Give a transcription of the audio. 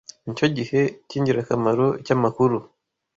Nicyo gice cyingirakamaro cyamakuru.